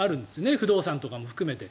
不動産とかも含めて。